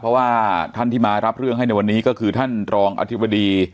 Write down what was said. เพราะว่าท่านที่มารับเรื่องให้ในวันนี้ก็คือท่านรองอธิบดี